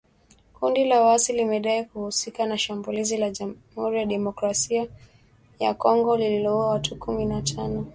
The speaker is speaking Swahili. Kundi la waasi limedai kuhusika na shambulizi la Jamhuri ya Kidemocrasia ya Kongo lililouwa watu kumi na tano